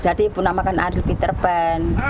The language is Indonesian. jadi ibu namakan ariel peter pan